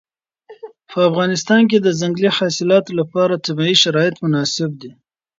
په افغانستان کې د ځنګلي حاصلاتو لپاره طبیعي شرایط مناسب دي.